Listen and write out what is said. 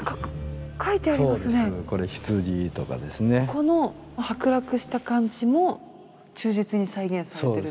この剥落した感じも忠実に再現されてるんですか？